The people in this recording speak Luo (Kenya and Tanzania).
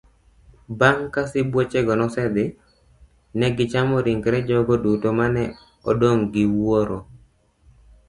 Bang' ka sibuochego nosedhi, ne gichamo ringre jogo duto ma ne odong gi wuoro'.